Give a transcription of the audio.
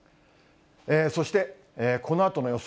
そして、このあとの予想